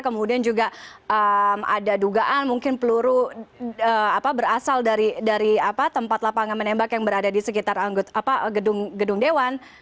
kemudian juga ada dugaan mungkin peluru berasal dari tempat lapangan menembak yang berada di sekitar gedung gedung dewan